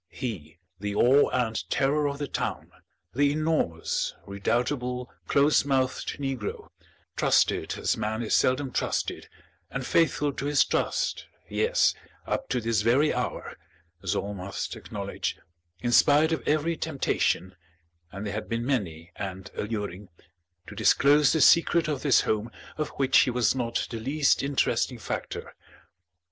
he, the awe and terror of the town, the enormous, redoubtable, close mouthed negro, trusted as man is seldom trusted, and faithful to his trust, yes, up to this very hour, as all must acknowledge, in spite of every temptation (and they had been many and alluring) to disclose the secret of this home of which he was not the least interesting factor.